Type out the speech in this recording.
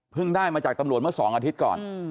ได้มาจากตำรวจเมื่อ๒อาทิตย์ก่อน